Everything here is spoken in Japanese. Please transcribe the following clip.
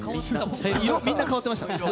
みんな変わってました。